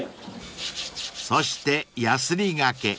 ［そしてやすりがけ］